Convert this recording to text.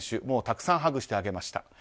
もうたくさんハグしてあげました。